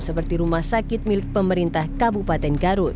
seperti rumah sakit milik pemerintah kabupaten garut